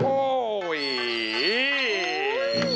ภูมิสุดท้าย